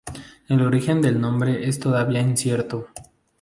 El origen del nombre es todavía incierto.